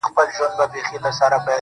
• زه مي پر خپلي بې وسۍ باندي تکيه کومه.